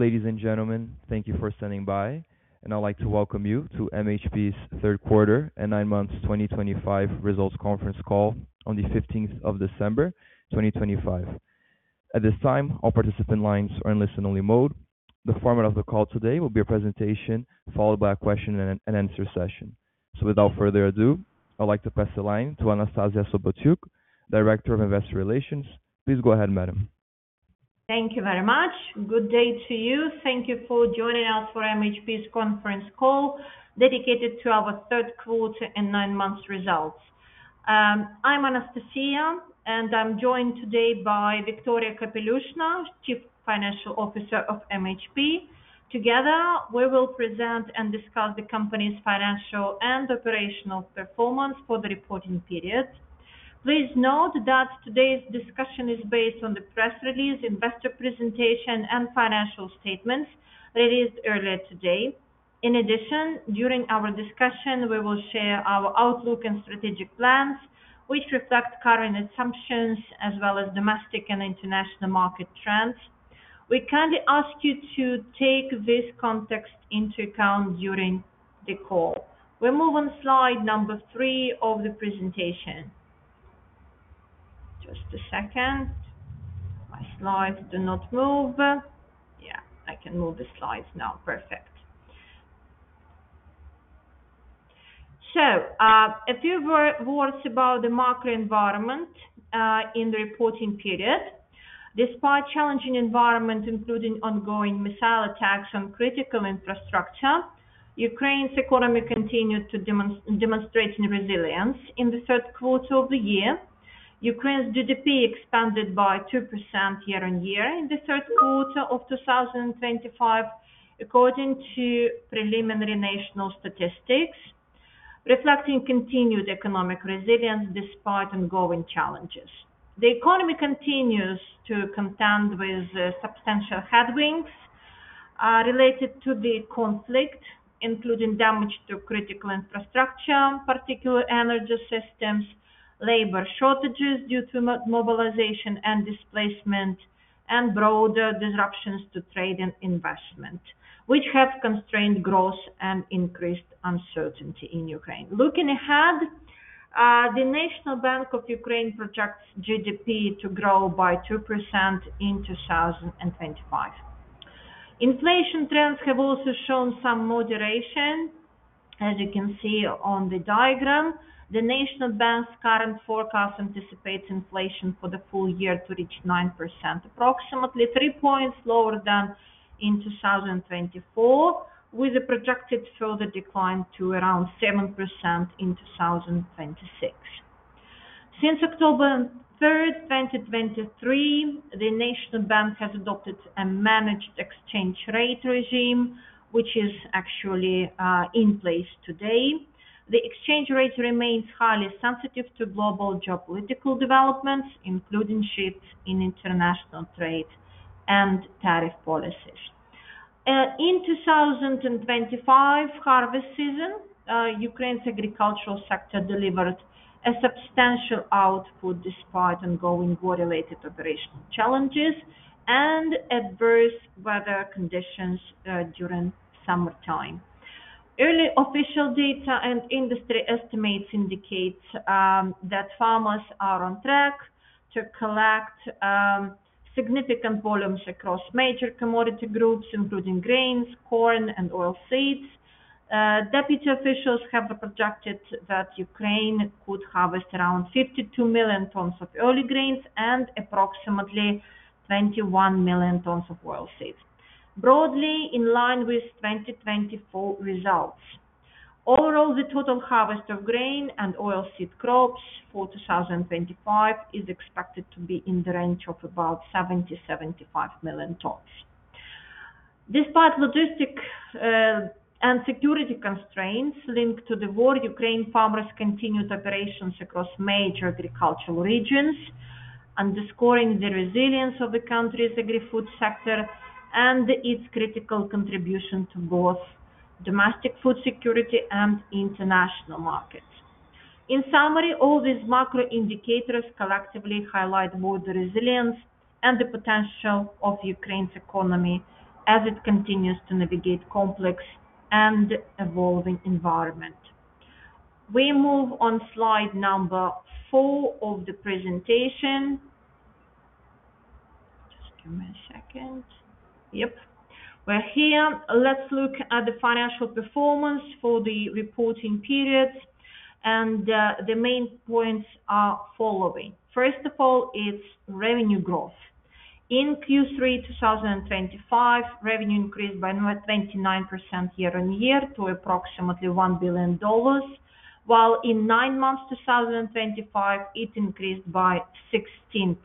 Ladies and gentlemen, thank you for standing by, and I'd like to welcome you to MHP's Third Quarter and Nine Months 2025 Results Conference Call on the 15th of December 2025. At this time, all participant lines are in listen-only mode. The format of the call today will be a presentation followed by a question-and-answer session. Without further ado, I'd like to pass the line to Anastasiya Sobotyuk, Director of Investor Relations. Please go ahead, madam. Thank you very much. Good day to you. Thank you for joining us for MHP's Conference Call dedicated to our Third Quarter and Nine Months Results. I'm Anastasiya, and I'm joined today by Viktoria Kapelyushnaya, Chief Financial Officer of MHP. Together, we will present and discuss the company's financial and operational performance for the reporting period. Please note that today's discussion is based on the press release, investor presentation, and financial statements released earlier today. In addition, during our discussion, we will share our outlook and strategic plans, which reflect current assumptions as well as domestic and international market trends. We kindly ask you to take this context into account during the call. We move on to slide number three of the presentation. Just a second. My slides do not move. Yeah, I can move the slides now. Perfect. So, a few words about the macro environment in the reporting period. Despite challenging environment, including ongoing missile attacks on critical infrastructure. Ukraine's economy continued to demonstrate resilience in the third quarter of the year. Ukraine's GDP expanded by 2% year-on-year in the third quarter of 2025, according to preliminary national statistics, reflecting continued economic resilience despite ongoing challenges. The economy continues to contend with substantial headwinds related to the conflict, including damage to critical infrastructure, particularly energy systems, labor shortages due to mobilization and displacement, and broader disruptions to trade and investment, which have constrained growth and increased uncertainty in Ukraine. Looking ahead, the National Bank of Ukraine projects GDP to grow by 2% in 2025. Inflation trends have also shown some moderation, as you can see on the diagram. The National Bank's current forecast anticipates inflation for the full year to reach 9%, approximately three points lower than in 2024, with a projected further decline to around 7% in 2026. Since October 3rd 2023, the National Bank has adopted a managed exchange rate regime, which is actually in place today. The exchange rate remains highly sensitive to global geopolitical developments, including shifts in international trade and tariff policies. In 2025 harvest season, Ukraine's agricultural sector delivered a substantial output despite ongoing war-related operational challenges and adverse weather conditions during summertime. Early official data and industry estimates indicate that farmers are on track to collect significant volumes across major commodity groups, including grains, corn, and oilseeds. Deputy officials have projected that Ukraine could harvest around 52 million tons of early grains and approximately 21 million tons of oilseeds, broadly in line with 2024 results. Overall, the total harvest of grain and oilseed crops for 2025 is expected to be in the range of about 70-75 million tons. Despite logistic and security constraints linked to the war, Ukraine farmers continued operations across major agricultural regions, underscoring the resilience of the country's agri-food sector and its critical contribution to both domestic food security and international markets. In summary, all these macro indicators collectively highlight both the resilience and the potential of Ukraine's economy as it continues to navigate a complex and evolving environment. We move on to slide number four of the presentation. Just give me a second. Yep, we're here. Let's look at the financial performance for the reporting period, and the main points are following. First of all, it's revenue growth. In Q3 2025, revenue increased by 29% year-on-year to approximately $1 billion, while in nine months 2025, it increased by 16%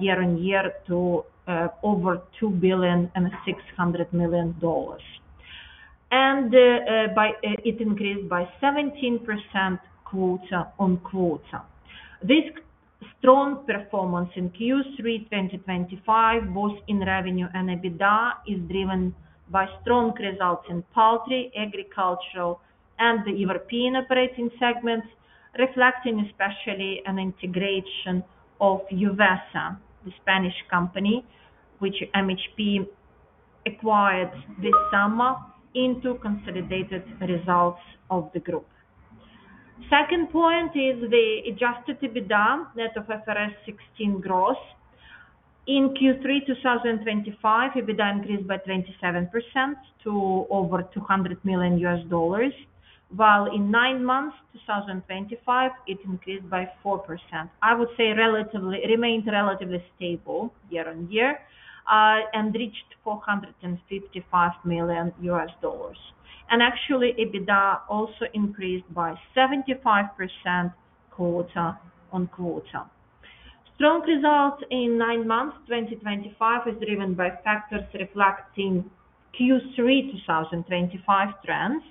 year-on-year to over $2.6 billion, and it increased by 17% quarter-on-quarter. This strong performance in Q3 2025, both in revenue and EBITDA, is driven by strong results in poultry, agricultural, and the European operating segments, reflecting especially an integration of UVESA, the Spanish company, which MHP acquired this summer into consolidated results of the group. Second point is the adjusted EBITDA, net of IFRS 16 gross. In Q3 2025, EBITDA increased by 27% to over $200 million, while in nine months 2025, it increased by 4%. I would say it remained relatively stable year-on-year and reached $455 million, and actually, EBITDA also increased by 75% quarter-on-quarter. Strong results in nine months 2025 are driven by factors reflecting Q3 2025 trends.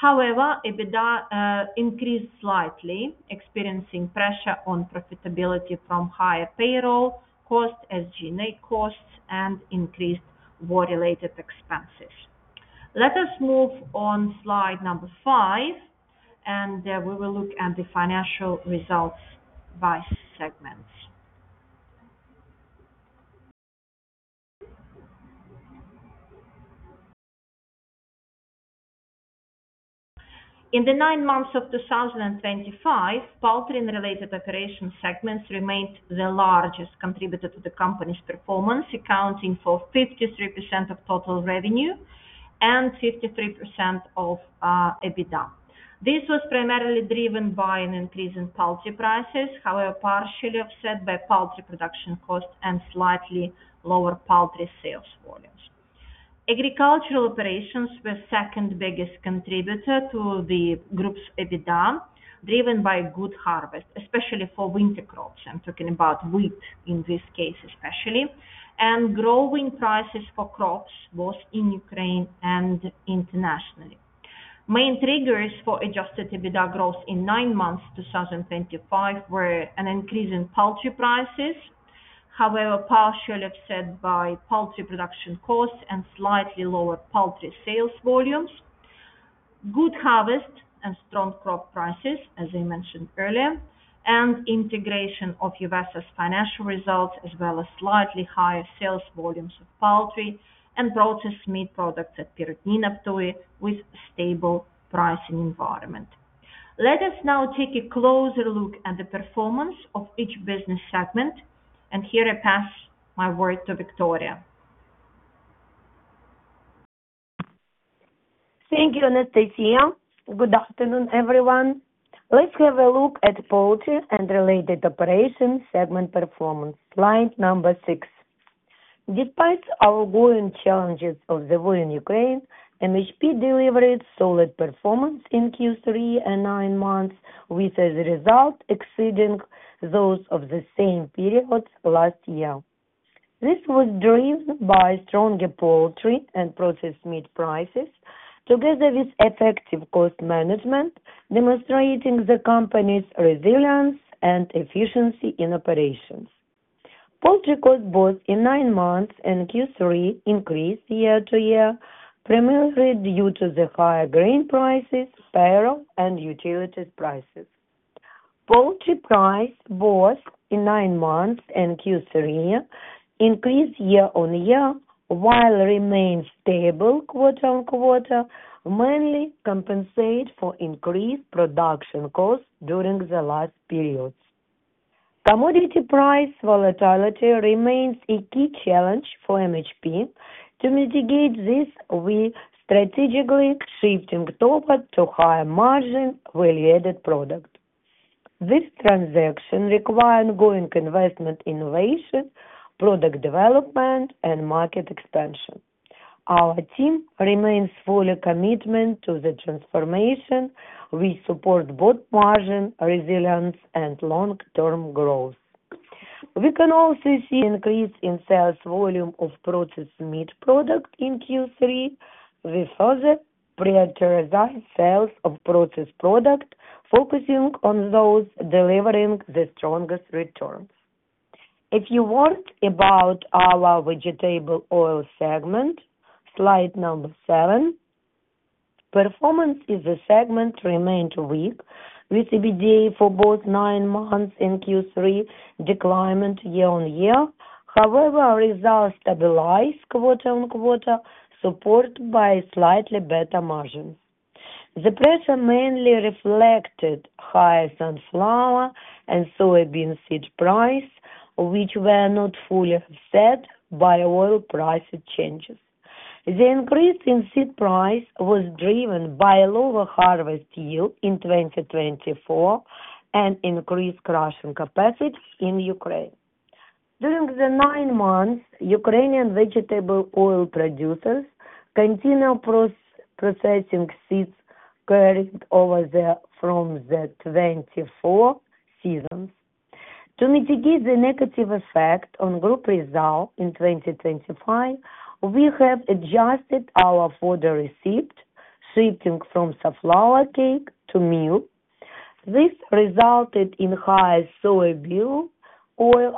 However, EBITDA increased slightly, experiencing pressure on profitability from higher payroll costs, SG&A costs, and increased war-related expenses. Let us move on to slide number five, and we will look at the financial results by segments. In the nine months of 2025, poultry-related operation segments remained the largest, contributing to the company's performance, accounting for 53% of total revenue and 53% of EBITDA. This was primarily driven by an increase in poultry prices, however partially offset by poultry production costs and slightly lower poultry sales volumes. Agricultural operations were the second biggest contributor to the group's EBITDA, driven by good harvest, especially for winter crops. I'm talking about wheat in this case especially, and growing prices for crops, both in Ukraine and internationally. Main triggers for adjusted EBITDA growth in nine months 2025 were an increase in poultry prices, however partially offset by poultry production costs and slightly lower poultry sales volumes. Good harvest and strong crop prices, as I mentioned earlier, and integration of UVESA's financial results, as well as slightly higher sales volumes of poultry and processed meat products at Perutnina Ptuj with a stable pricing environment. Let us now take a closer look at the performance of each business segment, and here I pass my word to Viktoria. Thank you, Anastasiya. Good afternoon, everyone. Let's have a look at poultry and related operation segment performance, slide number six. Despite ongoing challenges of the war in Ukraine, MHP delivered solid performance in Q3 and nine months, with results exceeding those of the same period last year. This was driven by stronger poultry and processed meat prices, together with effective cost management, demonstrating the company's resilience and efficiency in operations. Poultry costs both in nine months and Q3 increased year-to-year, primarily due to the higher grain prices, fodder, and utilities prices. Poultry prices both in nine months and Q3 increased year-on-year, while remained stable quarter-on-quarter, mainly compensating for increased production costs during the last period. Commodity price volatility remains a key challenge for MHP. To mitigate this, we strategically shifted to higher-margin value-added products. This transition required ongoing investment innovation, product development, and market expansion. Our team remains fully committed to the transformation. We support both margin resilience and long-term growth. We can also see an increase in sales volume of processed meat products in Q3, with further prioritizing sales of processed products, focusing on those delivering the strongest returns. If you want about our vegetable oil segment, slide number seven, performance in the segment remained weak, with EBITDA for both nine months and Q3 declining year-on-year. However, results stabilized quarter-on-quarter, supported by slightly better margins. The pressure mainly reflected high sunflower and soybean seed prices, which were not fully offset by oil price changes. The increase in seed prices was driven by a lower harvest yield in 2024 and increased crushing capacity in Ukraine. During the nine months, Ukrainian vegetable oil producers continued processing seeds carried over from the 2024 seasons. To mitigate the negative effect on group results in 2025, we have adjusted our fodder recipe, shifting from sunflower cake to soybean. This resulted in higher soybean oil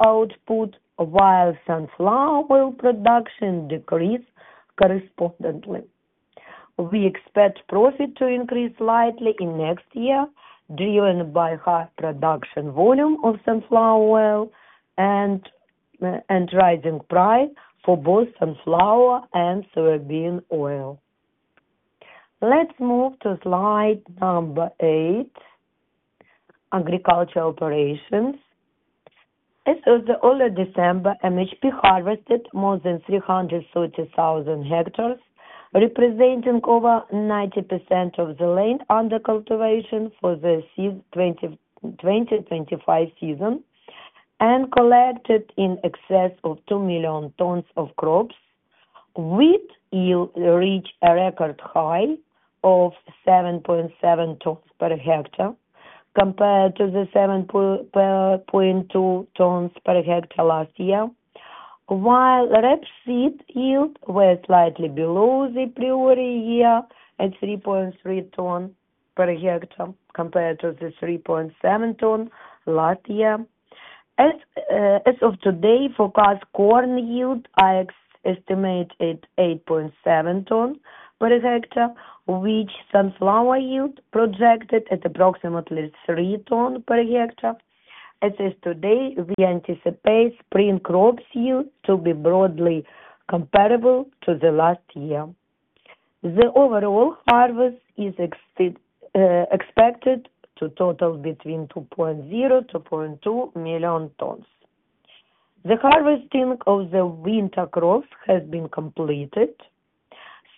output, while sunflower oil production decreased correspondingly. We expect profits to increase slightly in next year, driven by high production volume of sunflower oil and rising prices for both sunflower and soybean oil. Let's move to slide number eight, agricultural operations. As of the early December, MHP harvested more than 330,000 hectares, representing over 90% of the land under cultivation for the 2025 season, and collected in excess of 2 million tons of crops. Wheat yield reached a record high of 7.7 tons per hectare, compared to the 7.2 tons per hectare last year, while rapeseed yield was slightly below the prior year at 3.3 tons per hectare, compared to the 3.7 tons last year. As of today, forecast corn yield, I estimate at 8.7 tons per hectare, which sunflower yield projected at approximately 3 tons per hectare. As of today, we anticipate spring crops yield to be broadly comparable to the last year. The overall harvest is expected to total between 2.0-2.2 million tons. The harvesting of the winter crops has been completed.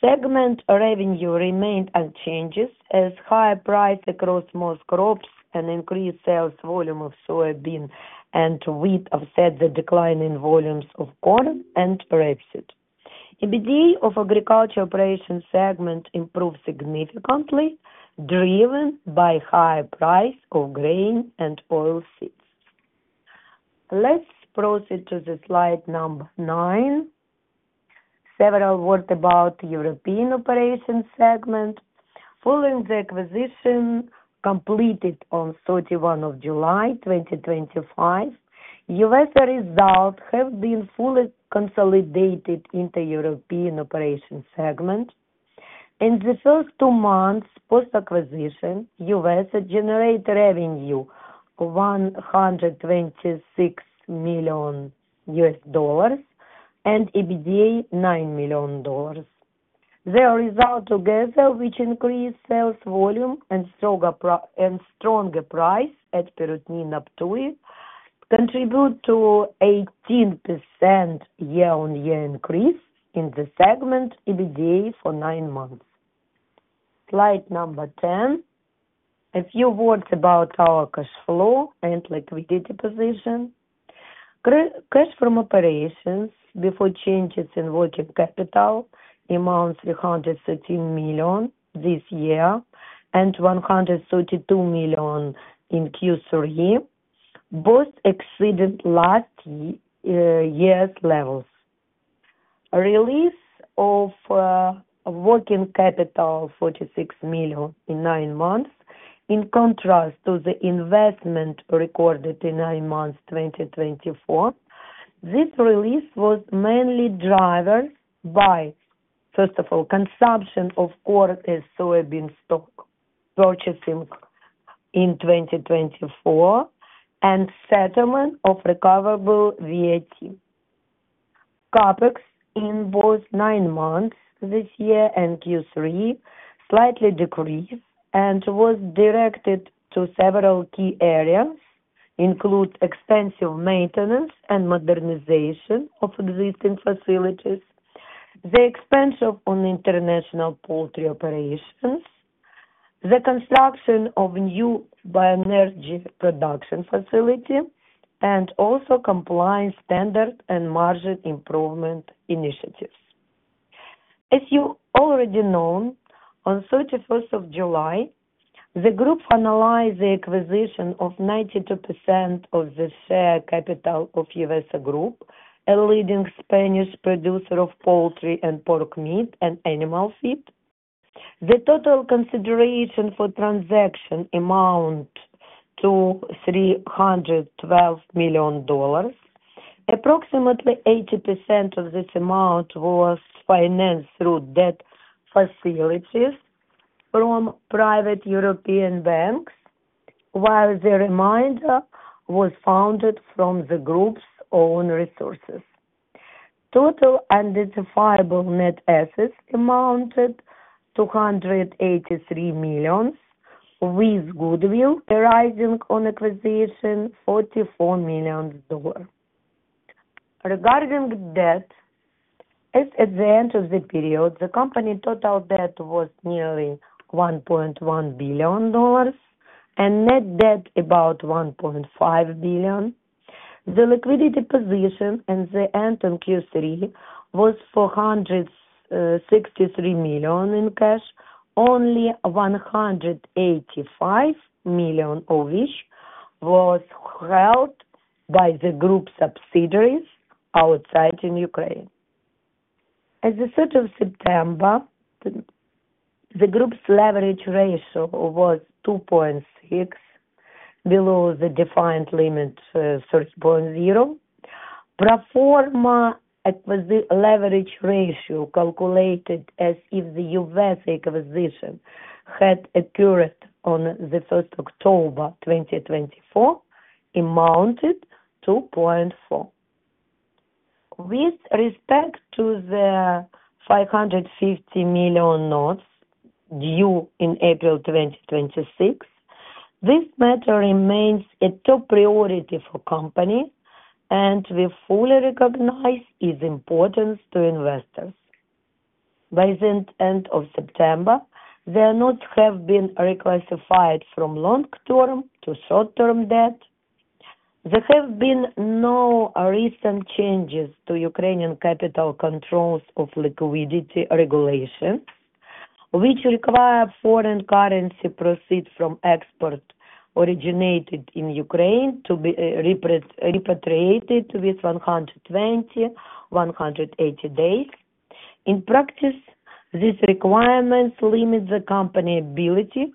Segment revenue remained unchanged, as high prices across most crops and increased sales volume of soybean and wheat offset the decline in volumes of corn and rapeseed. EBITDA of agricultural operation segment improved significantly, driven by high prices of grain and oilseeds. Let's proceed to slide number nine. Several words about the European operation segment. Following the acquisition completed on 31 of July 2025, UVESA results have been fully consolidated into European operation segment. In the first two months post-acquisition, UVESA generated revenue of $126 million and EBITDA of $9 million. The results together, which increased sales volume and stronger prices at Perutnina Ptuj, contribute to an 18% year-on-year increase in the segment EBITDA for nine months. Slide number 10. A few words about our cash flow and liquidity position. Cash from operations before changes in working capital amounts to $313 million this year and $132 million in Q3, both exceeding last year's levels. Release of working capital of $46 million in nine months, in contrast to the investment recorded in nine months 2024. This release was mainly driven by, first of all, consumption of corn and soybean stock purchasing in 2024 and settlement of recoverable VAT. CapEx in both nine months this year and Q3 slightly decreased and was directed to several key areas, including extensive maintenance and modernization of existing facilities, the expansion of international poultry operations, the construction of new bioenergy production facilities, and also compliance standards and margin improvement initiatives. As you already know, on 31st of July, the group finalized the acquisition of 92% of the share capital of UVESA Group, a leading Spanish producer of poultry and pork meat and animal feed. The total consideration for transaction amounted to $312 million. Approximately 80% of this amount was financed through debt facilities from private European banks, while the remainder was funded from the group's own resources. Total identifiable net assets amounted to $283 million, with goodwill arising on acquisition $44 million. Regarding debt, as at the end of the period, the company's total debt was nearly $1.1 billion and net debt about $1.5 billion. The liquidity position at the end of Q3 was $463 million in cash, only $185 million of which was held by the group's subsidiaries outside in Ukraine. As of 30 of September, the group's leverage ratio was 2.6, below the defined limit of 3.0. Pro forma leverage ratio calculated as if the UVESA acquisition had occurred on 1st of October 2024 amounted to 2.4. With respect to the $550 million notes due in April 2026, this matter remains a top priority for the company, and we fully recognize its importance to investors. By the end of September, the notes have been reclassified from long-term to short-term debt. There have been no recent changes to Ukrainian capital controls and liquidity regulations, which require foreign currency proceeds from exports originated in Ukraine to be repatriated within 120-180 days. In practice, these requirements limit the company's ability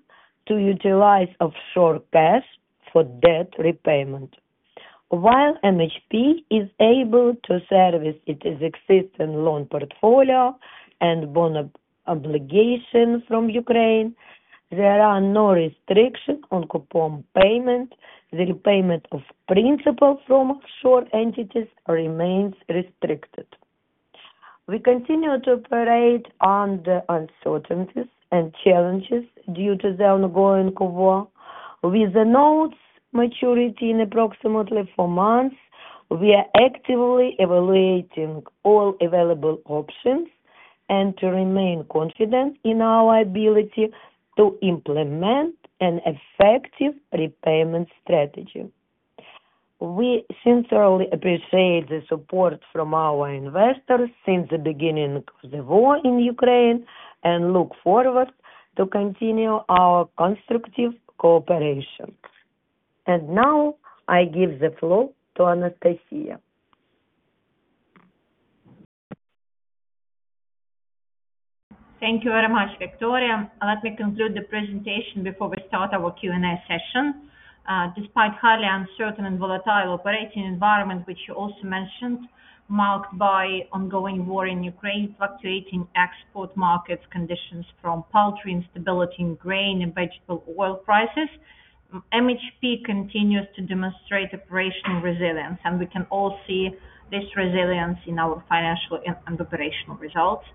to utilize offshore cash for debt repayment. While MHP is able to service its existing loan portfolio and bond obligations from Ukraine, there are no restrictions on coupon payment. The repayment of principal from offshore entities remains restricted. We continue to operate under uncertainties and challenges due to the ongoing war. With the notes' maturity in approximately four months, we are actively evaluating all available options and remain confident in our ability to implement an effective repayment strategy. We sincerely appreciate the support from our investors since the beginning of the war in Ukraine and look forward to continuing our constructive cooperation, and now, I give the floor to Anastasiya. Thank you very much, Viktoria. Let me conclude the presentation before we start our Q&A session. Despite the highly uncertain and volatile operating environment, which you also mentioned, marked by the ongoing war in Ukraine, fluctuating export market conditions, poultry instability in grain and vegetable oil prices, MHP continues to demonstrate operational resilience. And we can all see this resilience in our financial and operational results.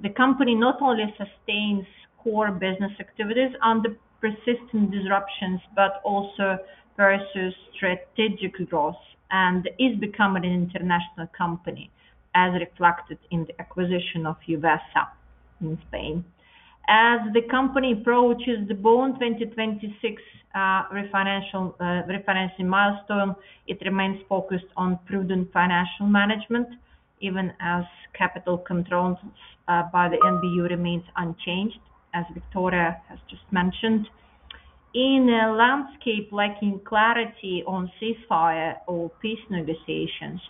The company not only sustains core business activities under persistent disruptions but also pursues strategic growth and is becoming an international company, as reflected in the acquisition of UVESA in Spain. As the company approaches the bond 2026 refinancing milestone, it remains focused on prudent financial management, even as capital controls by the NBU remain unchanged, as Viktoria has just mentioned. In a landscape lacking clarity on ceasefire or peace negotiations,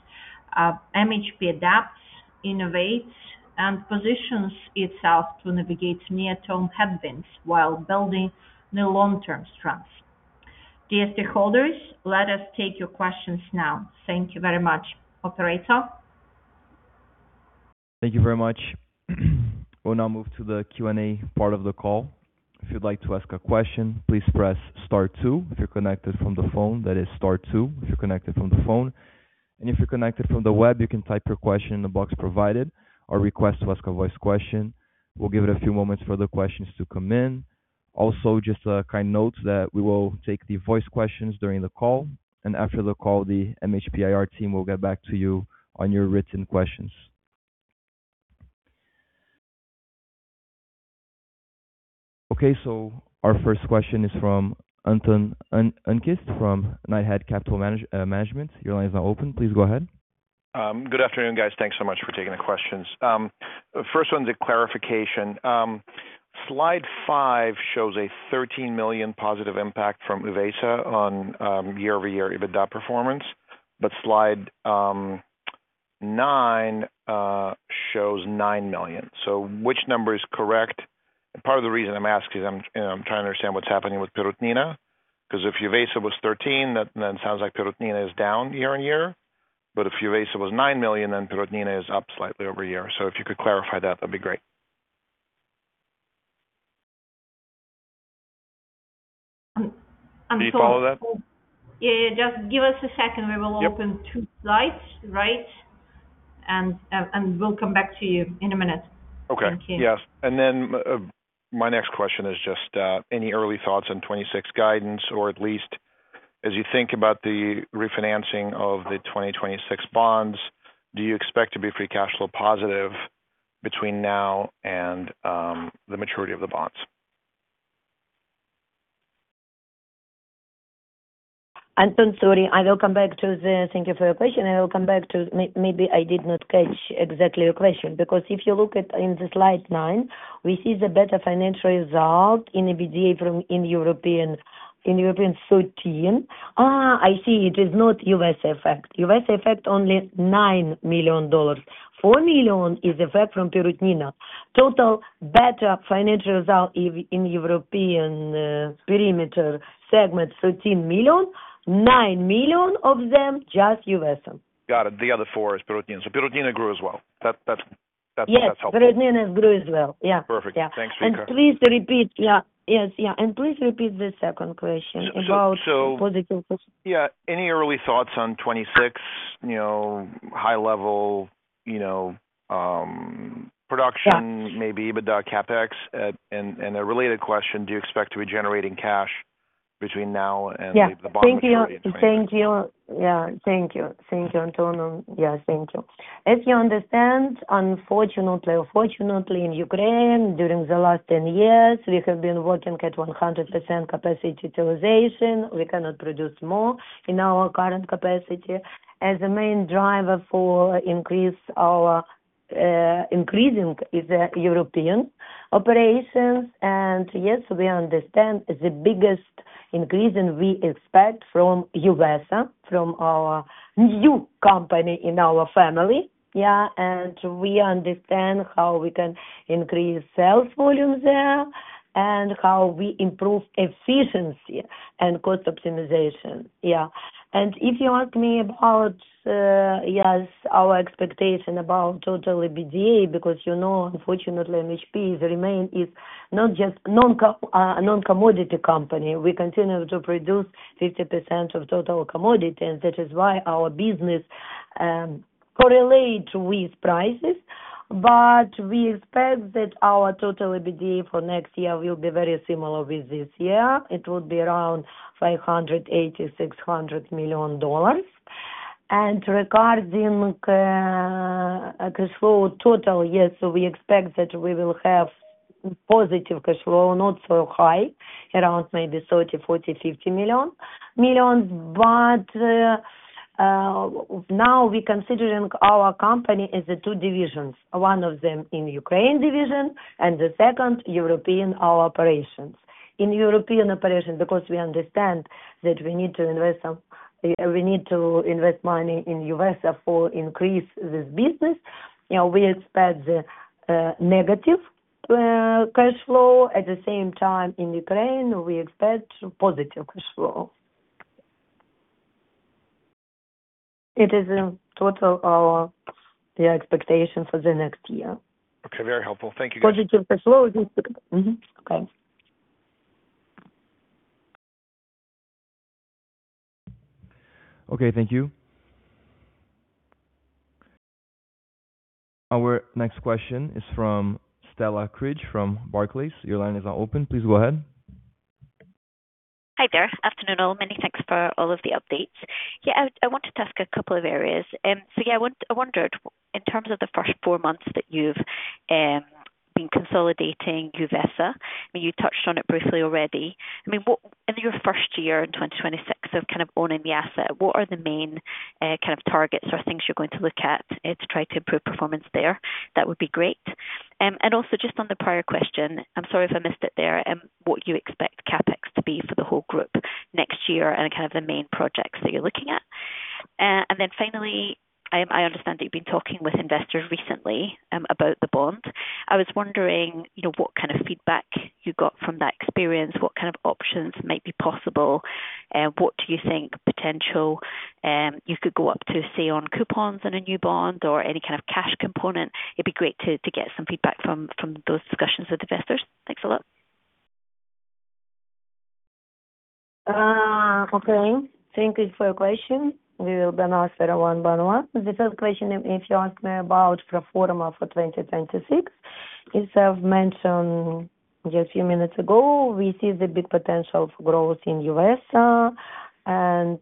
MHP adapts, innovates, and positions itself to navigate near-term headwinds while building new long-term strengths. Dear stakeholders, let us take your questions now. Thank you very much. Operator? Thank you very much. We'll now move to the Q&A part of the call. If you'd like to ask a question, please press star two. If you're connected from the phone, that is star two, and if you're connected from the web, you can type your question in the box provided or request to ask a voice question. We'll give it a few moments for the questions to come in. Also, just a kind note that we will take the voice questions during the call, and after the call, the MHP IR team will get back to you on your written questions. Okay, so our first question is from Anton Anikst from Knighthead Capital Management. Your line is now open. Please go ahead. Good afternoon, guys. Thanks so much for taking the questions. First one's a clarification. Slide five shows a $13 million positive impact from UVESA on year-over-year EBITDA performance, but slide nine shows $9 million. So which number is correct? And part of the reason I'm asking is I'm trying to understand what's happening with Perutnina, because if UVESA was $13 million, then it sounds like Perutnina is down year-on-year. But if UVESA was $9 million, then Perutnina is up slightly over a year. So if you could clarify that, that'd be great. I'm sorry. Can you follow that? Yeah, yeah, just give us a second. We will open two slides, right? And we'll come back to you in a minute. Okay. Yes. And then, my next question is just any early thoughts on 2026 guidance, or at least as you think about the refinancing of the 2026 bonds. Do you expect to be free cash flow positive between now and the maturity of the bonds? Anton, sorry, I will come back to the thank you for your question. I will come back to maybe I did not catch exactly your question, because if you look at in the slide nine, we see the better financial result in EBITDA from in European 2023. I see it is not UVESA effect. UVESA effect only $9 million. $4 million is effect from Perutnina. Total better financial result in European perimeter segment, $13 million. $9 million of them just UVESA. Got it. The other four is Perutnina. So Perutnina grew as well. That's helpful. Yes, Perutnina has grown as well. Yeah. Perfect. Thanks for your clarity. Please repeat. Yeah. Yes. Yeah. And please repeat the second question about positive question. Yeah. Any early thoughts on 2026 high-level production, maybe EBITDA, CapEx? And a related question, do you expect to be generating cash between now and maybe the bond expiry? Yeah. Thank you, Anton. As you understand, unfortunately or fortunately, in Ukraine, during the last 10 years, we have been working at 100% capacity utilization. We cannot produce more in our current capacity. And the main driver for increasing is the European operations. And yes, we understand the biggest increase we expect from UVESA, from our new company in our family. Yeah. And we understand how we can increase sales volume there and how we improve efficiency and cost optimization. Yeah. And if you ask me about, yes, our expectation about total EBITDA, because unfortunately, MHP remains not just a non-commodity company. We continue to produce 50% of total commodity, and that is why our business correlates with prices. But we expect that our total EBITDA for next year will be very similar to this year. It will be around $580-$600 million. And regarding cash flow total, yes, we expect that we will have positive cash flow, not so high, around maybe $30-$50 million. But now we're considering our company as two divisions. One of them is the Ukraine division, and the second is European operations. In European operations, because we understand that we need to invest money in UVESA for increasing this business, we expect the negative cash flow. At the same time, in Ukraine, we expect positive cash flow. It is total our expectation for the next year. Okay. Very helpful. Thank you, guys. Positive cash flow. Okay. Okay. Thank you. Our next question is from Stella Cridge from Barclays. Your line is now open. Please go ahead. Hi there. Afternoon, all. Many thanks for all of the updates. Yeah, I wanted to ask a couple of areas, so yeah, I wondered, in terms of the first four months that you've been consolidating UVESA, I mean, you touched on it briefly already. I mean, in your first year in 2026 of kind of owning the asset, what are the main kind of targets or things you're going to look at to try to improve performance there? That would be great, and also, just on the prior question, I'm sorry if I missed it there, what you expect CapEx to be for the whole group next year and kind of the main projects that you're looking at, and then finally, I understand that you've been talking with investors recently about the bond. I was wondering what kind of feedback you got from that experience, what kind of options might be possible, what do you think potential you could go up to see on coupons in a new bond, or any kind of cash component? It'd be great to get some feedback from those discussions with investors. Thanks a lot. Okay. Thank you for your question. We will then answer one by one. The first question, if you ask me about Pro Forma for 2026, as I've mentioned just a few minutes ago, we see the big potential for growth in UVESA, and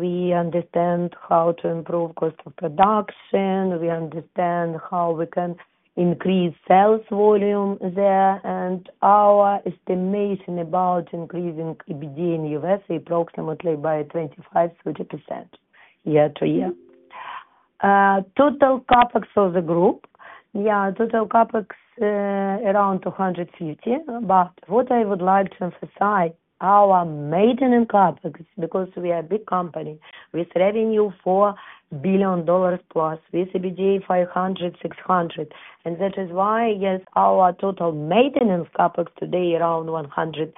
we understand how to improve cost of production. We understand how we can increase sales volume there, and our estimation about increasing EBITDA in UVESA is approximately by 25-30% year-to-year. Total CapEx of the group, yeah, around $250 million, but what I would like to emphasize is our maintenance CapEx, because we are a big company with revenue for $1 billion plus, with EBITDA $500 million, $600 million, and that is why, yes, our total maintenance CapEx today is around $130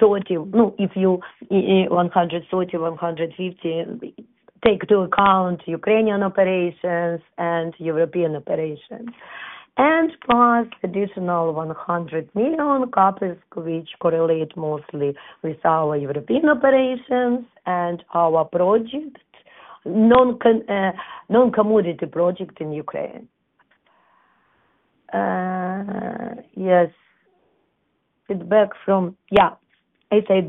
million-$150 million, take into account Ukrainian operations and European operations. Plus additional $100 million CapEx, which correlates mostly with our European operations and our project, non-commodity project in Ukraine. Yes. Feedback from, yeah, as I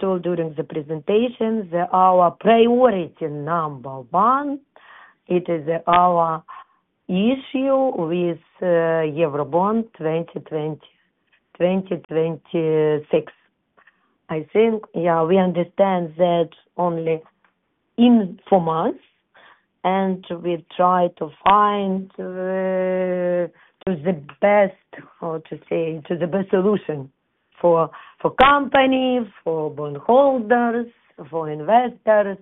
told during the presentation, our priority number one, it is our issue with Eurobond 2026. I think, yeah, we understand that only in four months, and we try to find the best, how to say, the best solution for companies, for bondholders, for investors.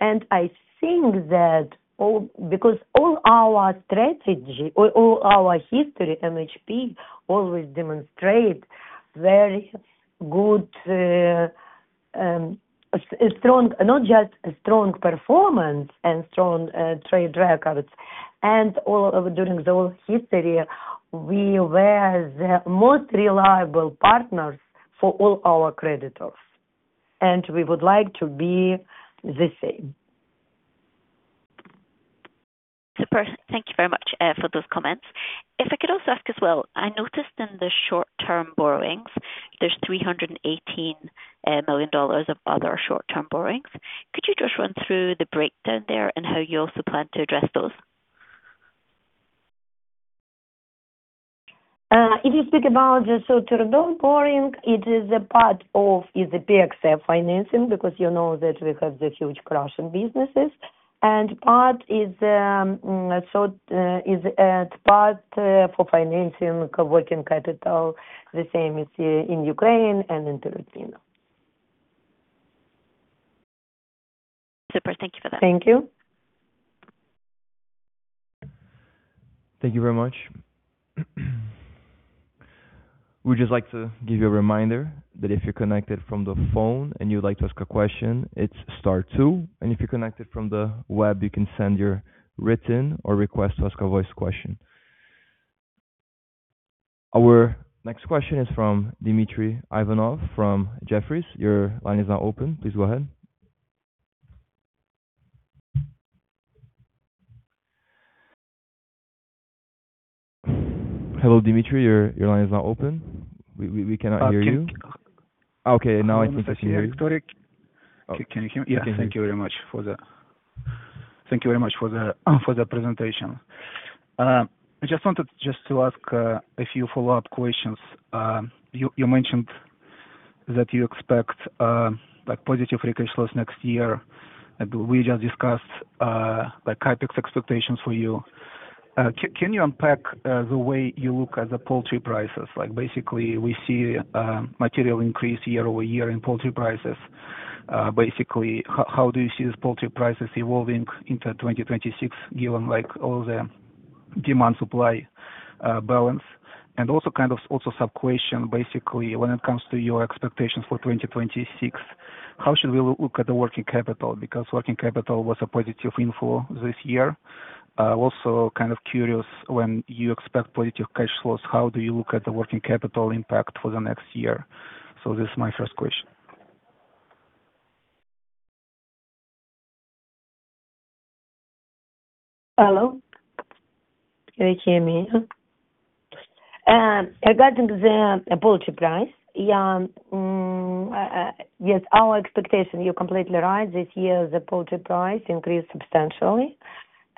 And I think that because all our strategy, all our history, MHP always demonstrates very good, strong, not just strong performance and strong track records. And during the whole history, we were the most reliable partners for all our creditors, and we would like to be the same. Super. Thank you very much for those comments. If I could also ask as well, I noticed in the short-term borrowings, there's $318 million of other short-term borrowings. Could you just run through the breakdown there and how you also plan to address those? If you speak about the short-term borrowing, it is a part of the PXF financing because you know that we have the huge crushing businesses. Part is short, part for financing working capital, the same as in Ukraine and in Perutnina. Super. Thank you for that. Thank you. Thank you very much. We'd just like to give you a reminder that if you're connected from the phone and you'd like to ask a question, it's star two. And if you're connected from the web, you can send your written question or request to ask a voice question. Our next question is from Dmitry Ivanov from Jefferies. Your line is now open. Please go ahead. Hello, Dmitry. Your line is now open. We cannot hear you. Okay. Okay. Now I think I can hear you. Okay. Can you hear me? Yes. Thank you very much for the presentation. I just wanted to ask a few follow-up questions. You mentioned that you expect positive free cash flows next year. We just discussed CapEx expectations for you. Can you unpack the way you look at the poultry prices? Basically, we see material increase year-over-year in poultry prices. Basically, how do you see these poultry prices evolving into 2026, given all the demand-supply balance? And kind of sub-question, basically, when it comes to your expectations for 2026, how should we look at the working capital? Because working capital was a positive inflow this year. Also kind of curious, when you expect positive cash flows, how do you look at the working capital impact for the next year? So this is my first question. Hello. Can you hear me? Regarding the poultry price, yeah, yes, our expectation, you're completely right, this year, the poultry price increased substantially,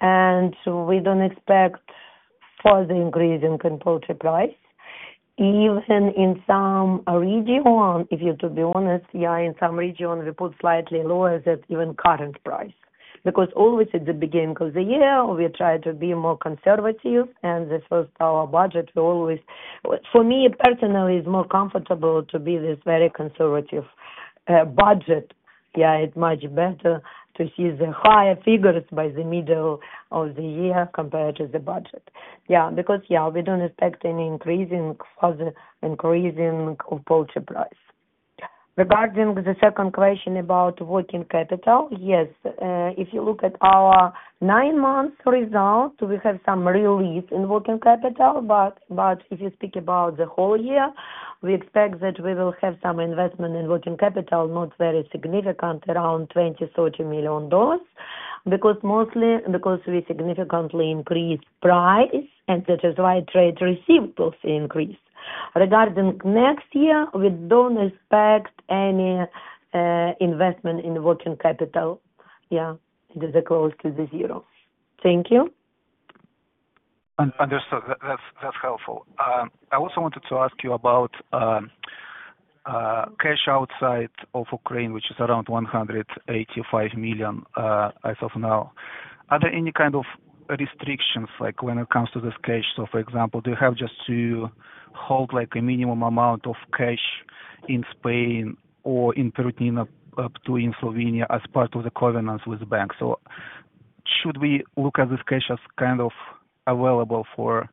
and we don't expect further increasing in poultry price. Even in some region, if you're to be honest, yeah, in some region, we put slightly lower than even current price. Because always at the beginning of the year, we try to be more conservative, and this was our budget. We always, for me personally, it's more comfortable to be this very conservative budget. Yeah, it's much better to see the higher figures by the middle of the year compared to the budget. Yeah. Because, yeah, we don't expect any increasing further increasing of poultry price. Regarding the second question about working capital, yes, if you look at our nine-month result, we have some release in working capital. But if you speak about the whole year, we expect that we will have some investment in working capital, not very significant, around $20-$30 million. Because mostly, because we significantly increased price, and that is why trade receipt also increased. Regarding next year, we don't expect any investment in working capital. Yeah. It is close to the zero. Thank you. Understood. That's helpful. I also wanted to ask you about cash outside of Ukraine, which is around $185 million as of now. Are there any kind of restrictions when it comes to this cash? So, for example, do you have just to hold a minimum amount of cash in Spain or in Perutnina Ptuj in Slovenia as part of the covenants with the bank? So should we look at this cash as kind of available for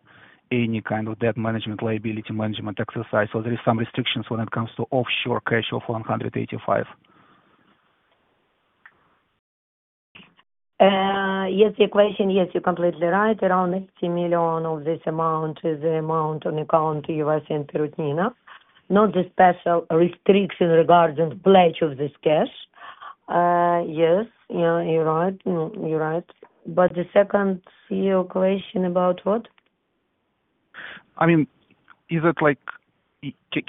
any kind of debt management, liability management exercise? Or there are some restrictions when it comes to offshore cash of $185? Yes, the question, yes, you're completely right. Around $80 million of this amount is the amount on account to UVESA and Pyryknyna. Not the special restriction regarding pledge of this cash. Yes. You're right. But the second question about what? I mean, is it like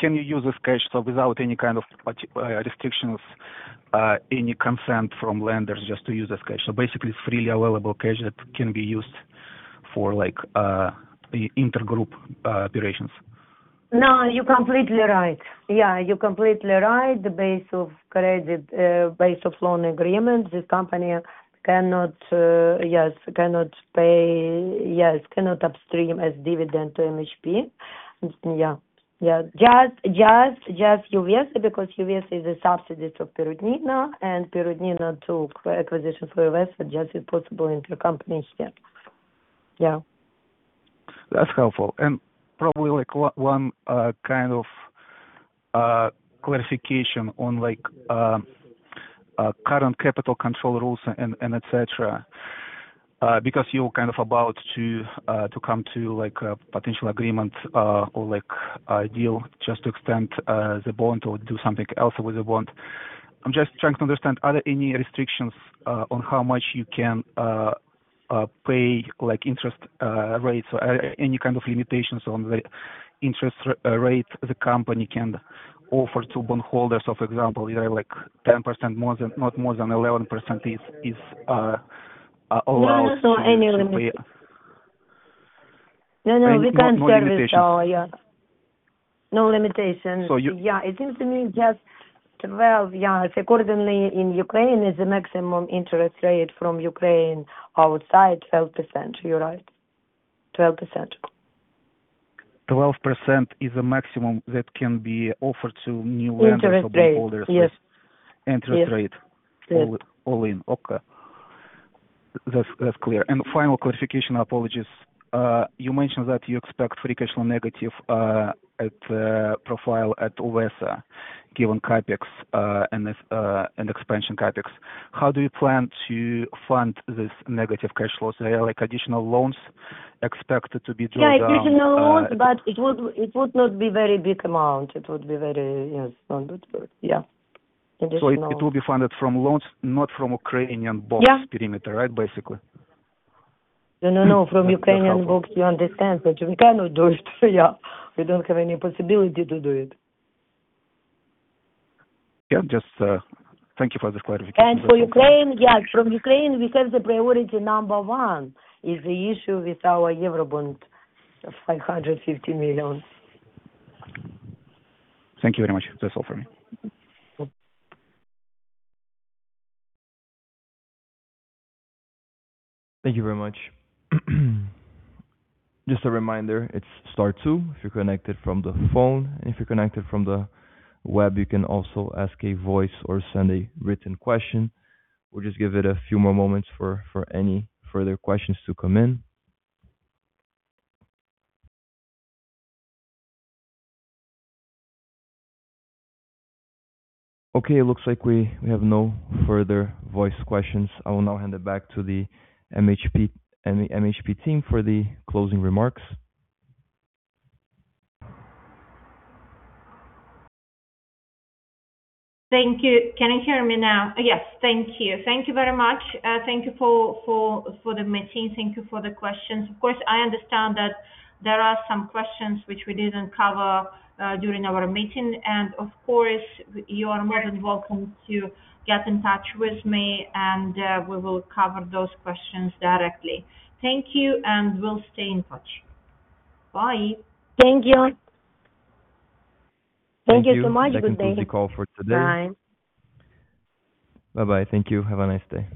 can you use this cash without any kind of restrictions, any consent from lenders just to use this cash? So basically, it's freely available cash that can be used for inter-group operations. No, you're completely right. Yeah, you're completely right. The base of credit, base of loan agreement, the company cannot, yes, cannot pay, yes, cannot upstream as dividend to MHP. Yeah. Yeah. Just UVESA because UVESA is a subsidiary to Pyryknyna, and Pyryknyna took acquisition for UVESA, just a possible inter-company share. Yeah. That's helpful, and probably one kind of clarification on current capital control rules and etc. Because you're kind of about to come to a potential agreement or deal just to extend the bond or do something else with the bond. I'm just trying to understand, are there any restrictions on how much you can pay interest rates or any kind of limitations on the interest rate the company can offer to bondholders? So, for example, either 10%, not more than 11% is allowed. No, no limitation. No limitations. No, no limitations. No limitations. No limitations. So. Yeah. It seems to me just 12, yeah. Accordingly, in Ukraine, it's a maximum interest rate from Ukraine outside 12%. You're right. 12%. 12% is a maximum that can be offered to new lenders. Interest rate. Yes. Interest rate. Yes. All in. Okay. That's clear. Final clarification, apologies. You mentioned that you expect free cash flow negative at profile at UVESA, given CapEx and expansion CapEx. How do you plan to fund this negative cash flows? Are there additional loans expected to be drawn down? Yeah, additional loans, but it would not be a very big amount. It would be very, yes, yeah. Additional. So it will be funded from loans, not from Ukrainian bonds perimeter, right, basically? No, no, no. From Ukrainian bonds, you understand that we cannot do it. Yeah. We don't have any possibility to do it. Yeah. Just thank you for this clarification. And for Ukraine, yes. From Ukraine, we have the priority number one is the issue with our Eurobond $550 million. Thank you very much. That's all for me. Thank you very much. Just a reminder, it's star two if you're connected from the phone. And if you're connected from the web, you can also ask a voice or send a written question. We'll just give it a few more moments for any further questions to come in. Okay. It looks like we have no further voice questions. I will now hand it back to the MHP team for the closing remarks. Thank you. Can you hear me now? Yes. Thank you. Thank you very much. Thank you for the meeting. Thank you for the questions. Of course, I understand that there are some questions which we didn't cover during our meeting, and of course, you are more than welcome to get in touch with me, and we will cover those questions directly. Thank you, and we'll stay in touch. Bye. Thank you. Thank you so much. Good day. Thank you for calling today. Bye. Bye-bye. Thank you. Have a nice day.